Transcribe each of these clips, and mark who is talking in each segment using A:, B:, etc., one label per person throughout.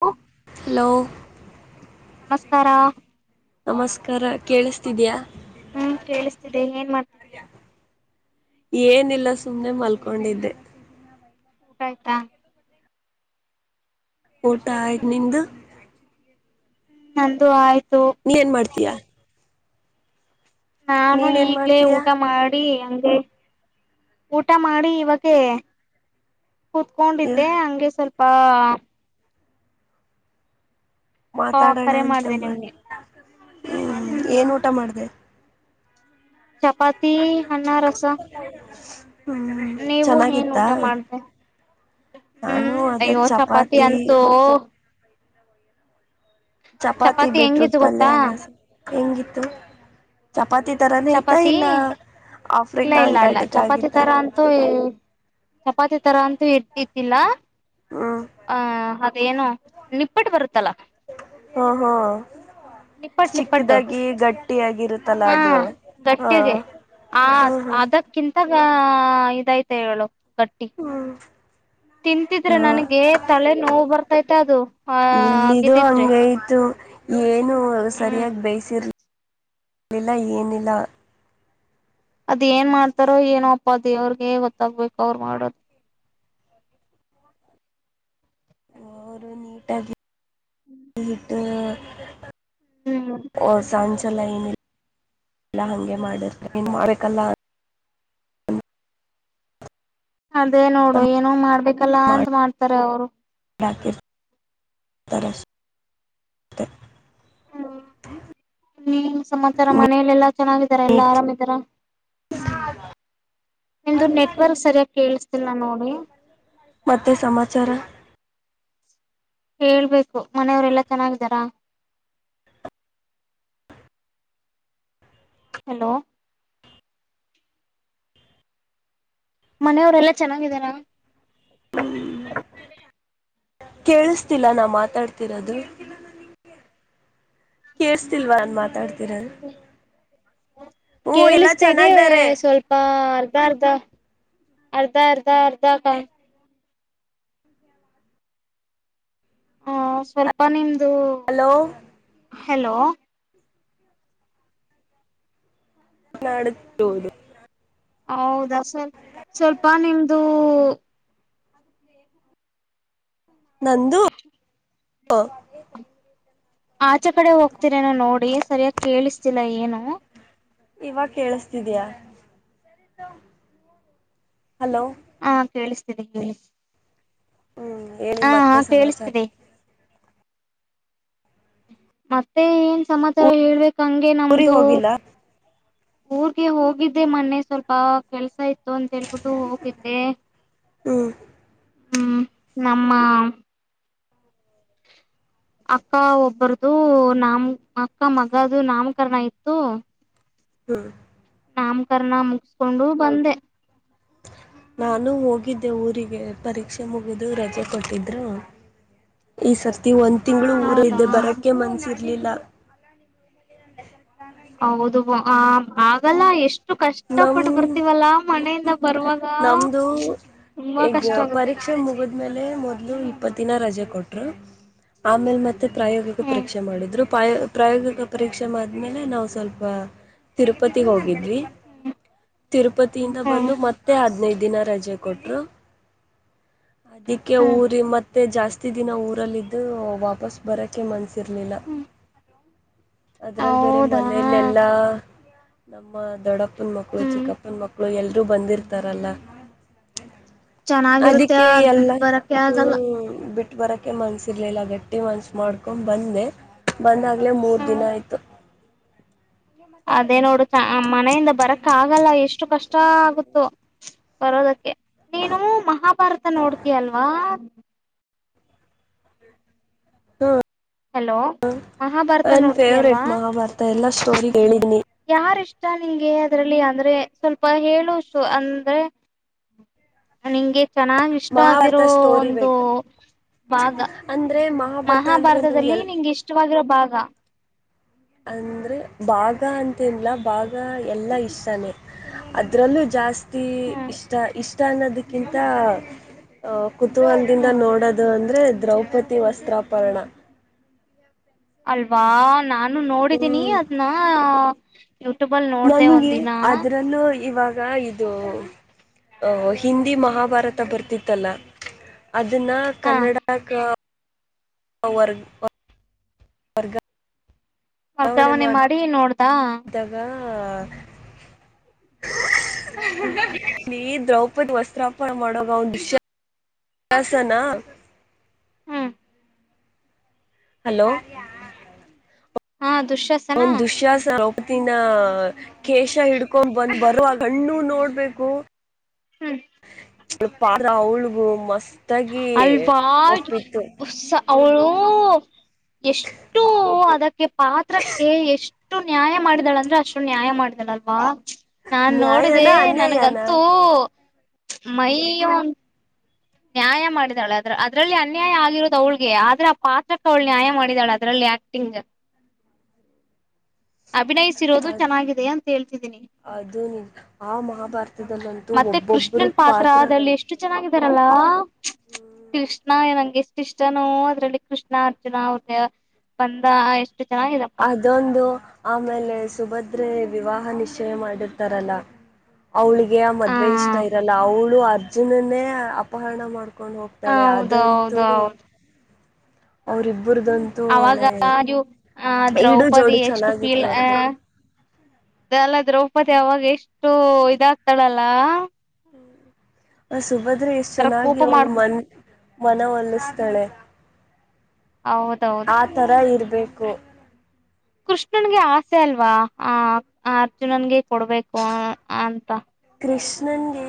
A: ಹ [unintelligible]
B: ಹಲೋ [unintelligible]
A: ನಮಸ್ಕಾರ
B: ನಮಸ್ಕಾರ ಕೇಳಿಸತಿದಯ
A: ಹ್ಮ್ ಕೇಳಿಸ್ತಿದೆೆ ಏನ್ ಮಾಡ್ತಿದ್ಯಾ
B: ಏನಿಲ್ಲ ಸುಮ್ಮ್ನೆ ಮಲ್ಕೊಂಡಿದ್ದೆ
A: ಊಟ ಆಯ್ತಾ
B: ಊಟ ಆಯ್ತ ನಿಮ್ದು
A: ಹ್ಮ ನಂದು ಆಯ್ತು
B: ನೀ ಏನ್ ಮಾಡ್ತೀಯಾ
A: ನಾನು
B: ನೀನ್ ಏನ್
A: ಈಗ್ಲೇ
B: ಮಾಡ್ತೀಯಾ
A: ಊಟ ಮಾಡಿ ಹಂಗೆ ಊಟ ಮಾಡಿ ಇವಾಗೇ ಕುೂತ್ಕೊಂಡಿದ್ದೆ ಹಂಗೆ ಸ್ವಲ್ಪ. ಪ್ಪಾ [unintelligible] ಕಾ
B: ಮಾತಾಡೋಣ
A: ಕರೆ
B: ಅಂತ
A: ಮಾಡಿದೆ
B: ಮಾಡ
A: ನಿಮ್ಗೆ
B: ಹ್ಮ
A: ಹ್ಮ್
B: ಏನ್ ಊಟ ಮಾಡದೇ
A: ಚಪಾತಿ ಅನ್ನ ರಸ
B: ಹ್ಮ್
A: ನೀವು ಏನ್
B: ಚೆನ್ನಾಗಿತ್ತಾ
A: ಊಟ ಮಾಡ್ದ
B: ನಾನು
A: ಹ್ಮ್
B: ಅದೇ
A: ಅಯ್ಯೋ ಚಪಾತಿ ಅಂತೂ
B: ಚಪಾತಿ ಬೀಟ್ರೂಟ್
A: ಹೆಂಗಿತ್ತು
B: ಪಲ್ಯ
A: ಗೊತ್ತಾ
B: ಎಲ್ಲ ಹೆಂಗಿತ್ತು ಚಾಪತಿ
A: ಚಪಾತಿ ಇಲ್ಲ
B: ಆಫ್ರಿಕಾ
A: ಇಲ್ಲ ಇಲ್ಲ
B: ಅಂಟಾರ್ಟಿಕಾ
A: ಚಪಾತಿ
B: ಆಗಿತ್ತ
A: ತರ ಅಂತೂ- ಚಪಾತಿ ತರ ಅಂತೂ ಇರತಿದಿಲ್ಲ [unintelligible]
B: ಹ್ಮ್
A: ಹ ಹ [unintelligible] ಏನೋ ನಿಪ್ಪಟ್ಟು ಬರುತ್ತ
B: ಹಾ ಹಾ
A: ನಿಪ್ಪಟ್ ನಿಪ್ಪಟ್ಟು
B: ಚಿಕ್ಕದಾಗಿ ಗಟ್ಟಿಯಾಗಿರುತ್ತಲ್ಲ
A: ಹಾ
B: ಅದು ಹಾ
A: ಗಟ್ಟಿಗೆ ಆ
B: ಹಾ ಹಾ
A: ಅದಕ್ಕಿಂತ ದಗ ಇದಾಯ್ತ ಹೇಳು [unintelligible] ಕಟ್ಟಿ- ತಿಂತಿದ್ರೆ
B: ಹಾ
A: ನನಗೆ ತಲೆ ನೋವು ಬರ್ತೈತೆ ಅದು
B: ಇಲ್ಲಿದು
A: ಅಗಿದಿದ್ದರೆ
B: ಹಂಗೆ ಇತ್ತು
A: ಹ್ಮ್
B: ಇಲ್ಲ ಏನಿಲ್ಲ
A: ಅದ್ ಏನ್ ಮಾಡ್ತಾರೋ ಏನೋ ಅಪ್ಪ ಅ ದೇವ್ರಿಗೆ ಗೊತ್ತಾಗ್ಬೇಕು ಅವರು ಮಾಡೋದು.
B: ಅವರು ನೀಟಾಗಿ. ಹ್ಮ್ ಹ
A: ಹ್ಮ್
B: ಓ ಸಂಜೆ. ಇದಲ್ಲ ಏನಿಲ್ಲ ಎ ಹಂಗೆ ಮಾಡರ ಏನ್ ಮಾಡಲ್ಲ
A: ಅದೇ ನೋಡು ಏನು ಮಾಡ್ಬೇಕು ಸಿಗಲ್ಲ ಅಂತ ಮಾಡ್ತಾರ ಅವರು
B: ಬಕ ತರ
A: ಹಾ ಇನ್ನೇನ್ ಸಮಾಚಾರ ಮನೇಲಿ ಎಲ್ಲಾ ಚೆನ್ನಾಗಿದಾರ ಎಲ್ಲಾ
B: ನೀಟ್
A: ಆರಾಮಿದಾರ ನಿಮ್ದ ನೆಟ್ವರ್ಕ್ ಸರಿಯಾಗಿ ಕೇಳಿಸತಿಲ್ ನೋಡಿ
B: ಮತ್ತೆ ಸಮಾಚಾರ.
A: ಹೇಳ್ಬೇಕು ಮನೆಯವರೆಲ್ಲಾ ಚೆನ್ನಾಗಿದ್ದಾರಾ. ಹಲೋ. ಮನೆಯವರೆಲ್ಲಾ ಚೆನ್ನಾಗಿದಾರ.
B: ಹ್ಮ್. ಕೇಳಿಸ್ತಿಲ್ಲ ನಾ ಮಾತಾಡ್ತಿರೋದು. ಕೇಳ್ಸ್ತಿಲ್ವಾ ನಾನ್ ಮಾತಾಡ್ತ ಹ್ಮ ಎಲ್ಲಾ
A: ಕೇಳಿಸ್ತಾದೆ
B: ಚೆನ್ನಾಗಿದ್ದಾರೆ
A: ಸ್ವಲ್ಪ ಅರ್ಧ ಅರ್ಧ. ಅರ್ಧ ಅರ್ಧ ಅರ್ಧ ಕಾ ಹ ಸ್ವಲ್ಪ ನಿಮ್
B: ಹಲೋ.
A: ಹಲೋ.
B: [unintelligible]
A: ಹೌದಾ ಸ್ವಲ್ ಸ್ವಲ್ಪ ನಿಮ್ದು.
B: ನಂದು. [inaudible]
A: ಆಚೆ ಕಡೆ ಹೋಗ್ತರೇನೋ ನೋಡಿ ಸರಿಯಾಗಿ ಕೇಳಿಸ್ತಿಿಲ್ಲ ಏನು.
B: ಇವಾಗ ಕೇಳಸ್ತಿದಿಯ ಹಲೋ.
A: ಹಾ ಕೆಳಸ್ತಿದೆ ಹೇಳಿ.
B: ಹ್ಮ್ ಹೇಳಿ
A: ಹಾ ಹಾ
B: ಮತ್ತೆ ಸಮಾಚಾರ.
A: ಕೇಳಿಸ್ತಿದೆ ಮತ್ತೆ ಏನ್ ಸಮಾಚಾರ ಹೇಳ್ಬೇಕ ಹಂಗೆ
B: ಊರಿಗೆ
A: ನಮ್ದು.
B: ಹೋಗಿಲ್ಲ
A: ಊರ್ಗೆ ಹೋಗಿದ್ದೆ ಮೊನ್ನೆ ಸ್ವಲ್ಪ ಕೆಲ್ಸ ಇತ್ತ ಇತ್ತು ಅಂತ ಹೇಳ್ಬಿಟ್ಟು ಹೋಗಿದ್ದೆ.
B: ಹ್ಮ್
A: ಹ್ಮ್ ನಮ್ಮ. ಅಕ್ಕ ಒಬ್ಬರದು ನಾಮ ಅಕ್ಕ ಮಗದು ನಾಮಕರಣ ಇತ್ತು.
B: ಹ್ಮ.
A: ನಾಮಕರಣ ಮುಗಿಸಕೊಂಡು ಬಂದೆ.
B: ನಾನು ಹೋಗಿದ್ದೆ ಊರಿಗೆ ಪರೀಕ್ಷೆ ಮುಗಿದು ರಜೆ ಕೊಟ್ಟಿದ್ರು ಈ ಸ ತಿ ಒಂದ್ ತಿಂಗಳು ಊರಲ
A: ಹೌದಾ
B: ಇದ್ದೆ ಬರೋಕ್ಕೆೆ ಮನ್ಸ [unintelligible]
A: ಹೌದು ಆ ಆಗಲ್ಲಾ ಎಷ್ಟ
B: ನಮ
A: ಬರುವಾಗ
B: ನಮ್ದು
A: ತುಂಬಾ ಕಷ್ಟ
B: ಈಗ
A: ಆಗುತ್ತೆ
B: ಪರೀಕ್ಷೆ ಮುಗದ ಮೇಲೆ ಮೊದ ಇಪ್ಪತ್ತಿನ ರಜೆ ಕೊಟ್ರು ಆಮೇಲ್ ಮತ್ತ ತ್ತ ಪ್ರಾಯೋಗಿಕ
A: ಹ್ಮ್
B: ಪರೀಕ್ಷೆ ಮಾಡಿದ್ರು ಪ್ರ ಪ್ರಾಯೋಗಿಕ ಪರೀಕ್ಷೆ ಮಾಡ್ಮೇಲೆ ನಾವು ಸ್ವಲ್ಪ ತಿರುಪತಿಗೆ ಹೋಗಿದ್ವಿ. ತಿರುಪತಿಯಿಂದ
A: ಹ್ಮ್
B: ಬಂದು ಮತ್ತೆ ಹದ್ನೈದ ದಿನ ರಜೆ ಕೊಟ್ರು ಅದಿಕ್ಕೆ
A: ಹ್ಮ್
B: ಊರಿ ಮತ್ತೆ ಜಾಸ್ತಿ ದಿನ ಊರಲ್ಲಿದ್ದು ವಾಪಸ್ ಬರಕ್ಕೆೆ ಮನ್ಸ ತಿರ್ಲಿಲ್ಲ.
A: ಹ್ಮ್
B: ಅದ್ರಲ್ಲಿ ಬೇರೆ
A: ಹೌದಾ
B: ಮನೇಲೆಲ್ಲಾ ನಮ್ಮ ದೊಡ್ಡ ಅಪ್ಪನ ಮಕ್ಕಳು
A: ಹ್ಮ್
B: ಚಿಕ್ಕಪ್ಪನ ಮಕ್ಕಳು ಎಲ್ಲರೂ ಬಂದಿರ್ತಾರಲ್ಲ.
A: ಚೆನ್ನಾಗಿರುತ್ತೆ
B: ಅದಕ್ಕೆ
A: ಅದ ಬಿಟ್ಟ ಬರಕೆ ಆಗಲ್ಲ.
B: ಟ್ ಬರಕ್ಕೆ ಮನ್ಸಿರ್ಲಿಲ್ಲ ಗಟ್ಟಿ ಮನ್ಸ ಮಾಡ್ಕೊಂಡ ಬಂದೆ. ಬಂದಾಗಲೇ ಮೂರು ದಿನ
A: ಹ್ಮ್
B: ಆಯಿತು.
A: ಅದೇ ನೋಡು ಚಾ ಹಾ ಮನೆಯಿಂದ ಬರಕ್ಕ ಆಗಲ್ಲ ಎಷ್ಟು ಕಷ್ಟ ಷ್ಟ ಆಗುತ್ತೋ ಬರೋದಕ್ಕೆ ನೀನು ಮಹಾಭಾರತ ನೋಡ್ತೀಯಲ್ವಾ.
B: ಹ್ಮ
A: ಹಲೋ ಮಹಾಭಾರತ
B: ನನ್
A: ನೋಡ್ತೀಯಲ್ವಾ
B: ಫೇವ್ರಟ್ ಮಹಾಭಾರತ ಎಲ್ಲ [unintelligible] [unintelligible]
A: ಯಾರ್ ಇಷ್ಟ ನಿಂಗೆ ಅದರಲ್ಲಿ ಅಂದ್ರೆ ಸ್ವಲ್ಪ ಹೇಳುವಷ್ಟು ಅಂದ್ರೆ ನಿಂಗೆ ಚೆನ್ನಾಗ ಇಷ್ಟ
B: ಮಹಾಭಾರತ
A: ಆಗಿರೋ
B: ಸ್ಟೋರಿ
A: ಒಂದು
B: ಬೇಕ
A: ಭಾಗ
B: ಅಂದ್ರೆ ಮಹಾಭಾರತ ಅಂದ್ರೆ ನಂಗೆ
A: ಮಹಾಭಾರತದಲ್ಲಿ
B: ಎಲ್
A: ನಿಂಗ್ ಇಷ್ಟವಾಗಿರೋ ಭಾಗ.
B: ಅಂದ್ರೆ ಭಾಗ ಅಂತೇನ್ ಇಲ್ಲ ಭಾಗ ಎಲ್ಲಾ ಇಷ್ಟಾನೇ ಅದ್ರಲ್ಲೂ ಜಾಸ್ತಿ ತಿ
A: ಹ್ಮ್
B: ಇಷ್ಟ ಇಷ್ಟ ಅನ್ನದಕ್ಕಿಂತ ಅಹ ಕುತೂಹಲದಿಂದ
A: ಹ್ಮ್
B: ನೋಡೋದು ಅಂದ್ರೆ ದ್ರೌಪದಿ ವಸ್ತ್ರಾಪರಣ.
A: ಅಲ್ವಾ ನಾನ ನಾನು ನೋಡಿದೀನಿ
B: ಹ್ಮ್
A: ಅದನ್ನ ಯೂಟ್ಯೂಬಲ್ಲಿ ನೋಡ್ದ ಒಂದ
B: ನನಗೆ
A: ದಿನ.
B: ಅದ್ರಲ್ಲೂ ಇವಾಗ ಇದು ಹ ಹಿಂದಿ ಮಹಾಭಾರತ ಬರ್ತಿತ್ತಲ್ಲ. ಅದನ್ನ
A: ಹ
B: ಕನ್ನಡ ಕ [unintelligible]
A: ವರ್ಗಾವಣೆ ಮಾಡಿ ನೋಡ್ದಾ.
B: ಹ [unintelligible]
A: ಹ್ಮ್
B: [unintelligible] ದ್ರೌಪದಿ ವಸ್ತ್ರಾಪಣ ಮಾಡುವಾಗ ಅವನ ದುಶ್ಯಾಸನಾ
A: [unintelligible]
B: ಹಲೋ
A: ಹಾ ದುಶ್ಯಾಸನ
B: ಅವನ್ ದುಶ್ಯಾಸನ ಇತ್ತಿನ ಕೇಶ ಹಿಡ್ಕೊಂಡ ಬಂದ ಬರುವಾಗ ಕಣ್ಣು ನೋಡ್ಬೇಕು.
A: ಹ್ಮ್
B: ಳ ಪಾತ್ರ ಅವಳಿಗೂ ಮಸ್ತ್
A: [unintelligible] ಅವಳು ಎಷ್ಟು ಅದಕ್ಕೆ [unintelligible] ಪಾತ್ರಕ್ಕೆ ಎಷ್ಟು [unintelligible] ಅಷ್ಟು ನ್ಯಾಯ ಮಾಡಿದಳ ಅಂದ್ರೆ ಅಷ್ಟು ನ್ಯಾಯ ಮಾಡಿದಾಳಲ್ವಾ ನಾನ್
B: ನ್ಯಾಯನ
A: ನೋಡಿದೆ
B: ಅನ್ಯಾಯನ
A: ನನ್ಗಂತೂ [unintelligible] ಮೈಯೋ [unintelligible] ನ್ಯಾಯ ಮಾಡಿದಾಳೆ ಅದ್ರ ಅದ್ರಲ್ಲಿ ಅನ್ಯಾಯ ಆಗಿರೋದು ಅವ್ಳಗೆ ಆದ್ರೆ ಆ ಪಾತ್ರಕ್ಕೆ ಅವ್ಳ ನ್ಯಾಯ ಮಾಡಿದಾಳೆ ಅದ್ರಲ್ಲಿ ಆಕ್ಟಿಂಗ್ ಅಭಿನಯಿಸಿರೋದು
B: ಅದ್
A: ಚೆನ್ನಾಗಿದೆ ಅಂತ ಹೇಳ್ತಿದ್ದೀನಿ
B: ಅದು ನಿಜ ಆ ಮಹಾಭಾರತದಲ್ಲಂತೂ
A: ಮತ್ತೆ
B: ಒಬ್ಬೊಬ್ಬರು
A: ಕೃಷ್ಣನ್ ಪಾತ್ರ ಅದರಲ್ಲಿ ಎಷ್ಟು ಚೆನ್ನಾಗಿ ಹಲೋ [unintelligible] ಕೃಷ್ಣ ಏನ [unintelligible] ಎಷ್ಟ ಇಷ್ಟನು ಅದರಲ್ಲಿ ಕೃಷ್ಣ ಅರ್ಜುನ ಅವ್ರ ಬಂದ ಎ
B: ಅದೊಂದು ಆಮೇಲೆ ಸುಭದ ಆದರೆ ವಿವಾಹ ನಿಶ್ಚಯ ಮಾಡಿರ್ತಾರಲ್ಲ ಅವ್ಳಿಗೆ
A: ಹ
B: ಮದ್ವೆ ಇಷ್ಟ
A: ಹ
B: ಇರಲ್ಲ ಅವಳು ಆದ ಅಜ್ಜುನನ್ನೇ ಅಪಹರಣ ಮಾಡ್ ಕಕೊಂಡ್ ಹೋಗ್ತಾಳೆ
A: ಹೌದು
B: ಅದಂತೂ
A: ಹೌದು ಹೌದು
B: ಅವರು [unintelligible] ಬುರದಂತೂ ಒಳೆ [unintelligible]
A: ಹ ದ್ರೌಪದಿ ಎಷ್ಟು ಫೀಲ್ [unintelligible] ದ್ರೌಪದಿ ಅವಾಗ ಎಷ್ಟು ಇದಾಗ್ತಾಳಲ್ಲ
B: ಹ್ಮ ಅ ಸುಭದ್ರೆ ಎಷ್ಟು
A: ಒಂಥರ
B: ಚೆನ್ನಾಗಿ
A: ಕೋಪ
B: ಅವ್ಳ
A: ಮಾಡ್
B: ಮನ್ ಮನವೊಲ್ಲಿಸ್ತಾಳೆ
A: ಹೌದೌದು
B: ಆ ತರ ಇರ್ ರಕ್ಕು
A: ಕೃಷ್ಣನ್ಗೆ ಆಸೆ ಅಲ್ವಾ ಆ ಅರ್ಜುನನ್ಗೆ ಕೊಡ್ಬೇಕು ಅಂತ
B: ಕೃಷ್ಣನಗೆ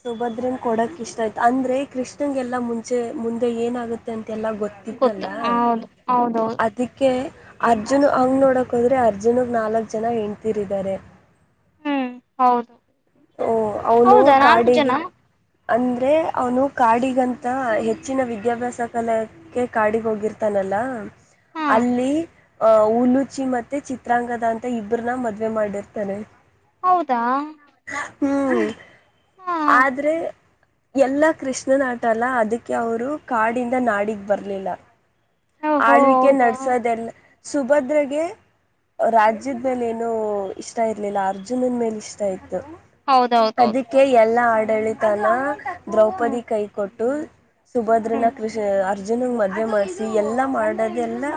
B: ಸುಭದ್ರನ ಕೊಡಕ್ಕೆ ಇಷ್ಟ ಆಯ್ತು ಅಂದರೆ ಕೃಷ್ಣಗೆಲ್ಲ ಮುಂಚೆ ಮುಂದೆ ಏನಾಗುತ್ತೆ ಅಂತ ಎಲ್ಲ
A: ಗೊತ್ತು
B: ಗೊತ್ತಿತ್ತಲ್ಲ
A: ಹೌದು ಹೌದೌದು
B: ಅದಕ್ಕೆ ಅರ್ಜುನ್ ಹಂಗ್ ನೋಡಕ್ ಕದ್ರರೆ ಅರ್ಜುನಗೆ ನಾಲ್ಕು ಜನ ಹೆಂಡ್ತಿರಿದ್ದಾರೆ
A: ಹ್ಮ್ ಹೌದು
B: ಓ ಅವನು
A: ಹೌದಾ ನಾಲ್ಕು ಜನ
B: ಕಾಡಿಗೆ ಅಂದರೆ ಅವನು ಕಾಡಿಗಂತ ಹೆಚ್ಚಿನ ವಿದ್ಯಾಭ್ಯಾಸ ಕಲಕ್ಕೆ ಕಾಡಿಗೆ ಹೋಗಿರ್ತಾನಲ್ಲ
A: ಹಾ
B: ಅಲ್ಲಿ ಅ ಉಲ್ಲೂಚಿ ಮತ್ತೆ ಚಿತ್ರಾಂಗದ ಅಂತ ಇಬ್ಬನ್ನ ಮದ್ವೆ ಮಾಡಿರ್ತಾರೆ
A: ಹೌದಾ
B: ಹ್ಮ್
A: ಹಾ
B: ಆದ್ರೆ ಎಲ್ಲ ಕೃಷ್ಣನಾಟ ಅಲ್ಲ ಅದಕ್ಕೆ ಅವರು ಕಾಡಿಂದ ನಾಡಗ್ ಬರ್ಲಿಲ್ಲ
A: ಓಹೋ
B: ಆಳ್ವಿಕೆ
A: ಹೌದಾ
B: ನಡ್ಸೋದೆಲ್ಲಾ ಸುಭದ್ರಗೆ ರಾಜ್ಯದ ಮೇಲೆ ಏನು ಇಷ್ಟ ಇರ್ಲಿಲ್ಲ ಅರ್ಜುನನ ಮೇಲೆ ಇಷ್ಟ ಇತ್ತು.
A: ಹೌದೌದೌದು
B: ಅದಕ್ಕೆ ಎಲ್ಲಾ ಆಯಿತ ಆಡಳಿತನಾ ದ್ರೌಪದಿ
A: ಹ್ಮ್
B: ಕೈ ಕೊಟ್ಟು ಸುಭದ್ರನ
A: ಹ್ಮ್
B: ಕೃಷ ಅರ್ಜುನ ಮದುವೆ ಮಾಡ್ಸಿ ಎಲ್ಲಾ ಮಾಡೋದೆಲ್ಲಾ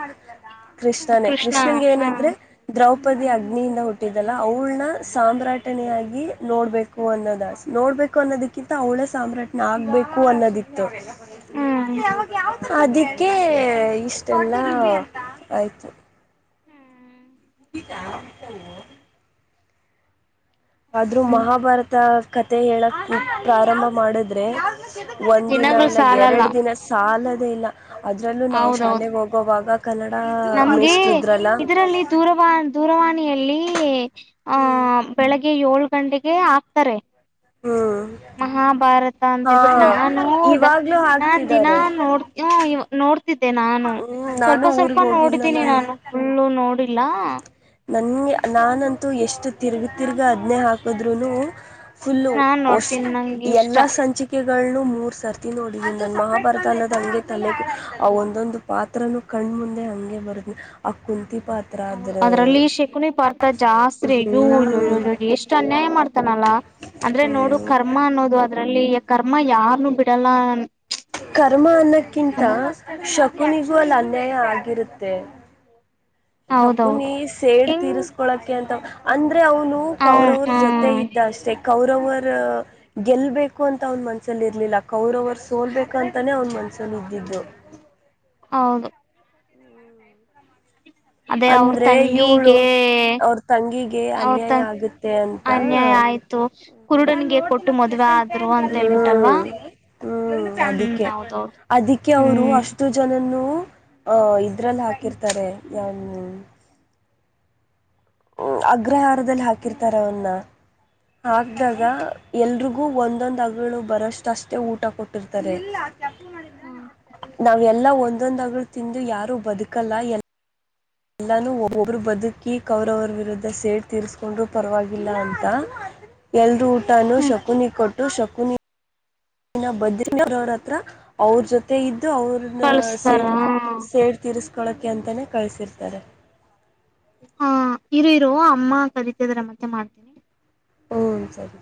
A: ಹ್ಮ್
B: ಕೃಷ್ಣನೇ
A: ಕೃಷ್ಣ
B: ಕೃಷ್ಣನ್
A: ಹ್ಮ್
B: ಏನಂದ್ರೆ ದ್ರೌಪ ಪದಿ ಅಗ್ನಿಯಿಂದ ಹುಟ್ಟಿದ್ದಲ್ಲ ಅವಳನ ಸಾಮ್ರಾಟನ ಆಗಿ ನೋಡ್ಬೇಕು ಅನ್ನೋದ ನೋಡ್ಬೇಕು ಅನ್ನೋದಕ್ಕಿಂತ ಅವಳ ಸಾಮ್ರಾಟ ನಾಗಬೇಕು ಅನ್ನೋದಿತ್ತು.
A: ಹ್ಮ್
B: ಅದಕ್ಕೆ ಇಷ್ಟೆಲ್ಲ ಆಯ್ತು
A: ಹ್ಮ್
B: [unintelligible] ಆದ್ರೂ ಮಹಾಭಾರತಾ ಕತೆೆ ಹೇಳೋಕ್ಕೆ ಪ್ರಾರಂಭ ಮಾಡಿದ್ರೆ ಒಂದ ದಿನ
A: ದಿನಗಳು
B: ಅ
A: ಸಾಲಲ್ಲ
B: ಎರಡು ದಿನ ಸಾಲ [unintelligible] ಅದ್ರಲ್ಲೂ ನಾವು
A: ಹೌದೌದು
B: ಶಾಲೆಗೆ ಹೋಗೋವಾಗ ಕನ್ನಡ
A: ನಮ್ಗೆ
B: ಮೇಷ್ಟ್ರು ಇದ್ರಲ್ಲ
A: ಇದರಲ್ಲಿ ದೂರವ ದೂರವಾಣಿ ಮನೆಯಲ್ಲಿ
B: ಹ್ಮ್
A: ಆಹ ಬೆಳಿಗ್ಗೆ ಏಳು ಕಂಡಿಗೆ ಹಾಕ್ತಾರೆ.
B: ಹ್ಮ್
A: ಮಹಾಭಾರತ
B: ಹಾ
A: ಅಂತೇಳ್ಬಿಟ್ ನಾನು
B: ಇವಾಗ್ಲೂ
A: ನಾನ್ ದಿನಾ
B: ಹಾಕ್ತಿದ್ದಾರೆ
A: ನೋಡ್ತ ನೋಡ್ ನಾನು
B: ಹ್ಮ್ ನಾನು
A: ಸ್ವಲ್ಪ ಸ್ವಲ್ಪ
B: ಊರ್ಗ್
A: ನೋಡಿದ್ದೀನಿ ನಾನು
B: ಹೋಗಿದ್ನಲ್ಲ
A: ಫುಲ್ಲು ನೋಡಿ
B: ನನ್ಗೆ ನಾನಂತೂ ಎಷ್ಟು ತಿರ್ಗ ತಿರ್ಗಿ ಅದನ್ನೇ ಹಾಕದ್ರನು, ಫುಲ್ಲು
A: ನಾನ್ ನೋಡ್ತೀನಿ ನಂಗೆ
B: ಎಲ್ಲಾ
A: ಇಷ್ಟ
B: ಸಂಚಿಕೆ ನು ಮೂರ್ ಸರ್ತಿ ನೋಡಿ ಇ ನನ್ನ ಮಹಾಭಾರತ ಅನ್ನೋದ್ ಹಂಗೆ ತಲೆಗ ಆ ಒಂದೊಂದು ಪಾತ್ರನು ಕಣ್ಣ ಮುಂದೆ ಹಂಗೆ ಬರ್ದ್ ಆ ಕುಂತಿ ಪಾತ್ರಾ
A: ಹೌದು ಅದ್ರಲ್ಲಿ ಶಕುನಿ ಪಾರ್ತ ಜಾಸ್ರಿಜೋಜ ಎಷ್ಟು ಅನ್ಯಾಯ ಮಾಡ್ತಾನಲ್ಲಾ ಅಂದ್ರೆ ನೋಡು ಕರ್ಮ ಅನ್ನೋದು ಅದ್ರಲ್ಲಿ ಕರ್ಮ ಯಾರನ್ನುೂ ಬಿಡಲ್ಲಾ
B: ಕರ್ಮ ಅನ್ನಕ್ಕಿಂತ ಶಕುನಿಗುಅಲ್ಲಿ ಅನ್ಯಾಯ ಆಗ್ ಇರುತ್ತೆ
A: ಹೌದೌದು
B: ಶಕುನಿ ಸೇಡ್
A: ಹೆಂಗ್
B: ತೀರಿಸಿಕೊಳ್ಳಕ್ಕೆ ಅಂತ ಅಂದ್ರೆ ಅವನು
A: ಹ
B: ಕೌರವರ ಜೊತೆ
A: ಹ್ಮ್
B: ಇದ್ದ ಅಷ್ಟೆ ಕೌರವರ ಗೆಲ್ಲಬೇಕು ಅಂತ ಅವನ ಮನಸಲ್ಲಿ ಇರಲಿಲ್ಲ ಕೌರವರು ಸೋಲ್ಬೇಕು ಅಂತಾನೇ ಅವನ ಮನಸಲ್ಲ ಇದ್ದಿದ್ದು
A: ಹೌದು ಅದೇ ಅವ್ರ
B: ಅಂದ್ರೆ ಇವ್ಳು
A: ತಂಗಿಗೆ
B: ಅವ್ರ ತಂಗಿಗೆ
A: ಅವ್ರ ತ
B: ಅನ್ಯಾಯ ಆಗುತ್ತೆ ಅಂತ
A: ಅನ್ಯಾಯ ಆಯ್ತು
B: ಹ್ಮ
A: ಕುರುಡನ್ಗೆ ಕೊಟ್ಟು ಮದ್ವೆ ಆದ್ರು ಅಂತ ಹೇಳ್ಬಿಟ್ಟಲ್ವಾ
B: ಹ್ಮ ಅದ
A: ಹ್ಮ್ ಹೌದೌದು
B: ಅದಕ್ಕೆ ಅವರು
A: ಹ್ಮ್
B: ಅಷ್ಟು ಜನ [unintelligible] ಆ ಇದರಲ್ಲಿ ಹಾಕಿರ್ತಾರೆ ಯಾವ ಅಗ್ರಹಾರದಲ್ಲಿ ಹಾಕಿರ್ತಾರ ಅವನ್ನ ಹಾಕ್ದಾಗ ಎಲ್ರಿಗೂ ಒಂದೊಂದು ಅಗಳು ಬರಷ್ಟ ಅಷ್ಟೇ ಊ ಊ ಕೊಟ್ಟಿರ್ತಾರೆ ನಾವ ಎಲ್ಲ ಒನ್ ಒಂದೊಂದು ಅಗಳು ತಿಂದು ಯಾರು ಬದುಕಲ್ಲ ಎಲ್ ಎಲ್ಲಾನೂ ಓ ಒಬ್ಬರು ಬದುಕಿ ಕೌರವರ ವಿರುದ್ಧ ಸೇಡ್ ತೀರಿಸ್ಕೊಂಡ್ರೂ ಪರವಾಗಿಲ್ಲ ಅಂತ. ಎಲ್ರೂ ಊಟನೂ ಶಕುನಿ ಕೊಟ್ ಟ್ಟು ಶಕುನೀ ಬದ್ರ ಅವ್ರ ಹತ್ರ ಅವ್ರ ಜೊತೆ ಇ ದ್ದು ಅವ್ರನ್ನ
A: ಕಳಸ್ತಾರ
B: ಸೇಡ್ ಸೇಡ್ತಿರಿಸ್ ಕಳೋಕೆ ಅಂತನೇ ಕಳಿಸಿರ್ತಾರೆ.
A: ಹಾ ಇರು ಇರೋ ಅಮ್ಮ ಕರೀತಿದಾರೆ ಮತ್ತೆ ಮಾಡ್ತೀನಿ.
B: ಹ್ಮ ಸರಿ